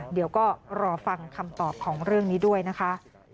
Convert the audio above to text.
เดี๋ยวก็รอฟังคำตอบของเรื่องนี้ด้วยนะคะ